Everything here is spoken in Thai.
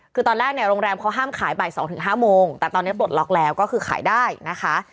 คือตอนแรกเนี่ยโรงแรมเขาห้ามขายบ่าย๒๕โมงแต่ตอนนี้ปลดล็อกแล้วก็คือขายได้นะคะ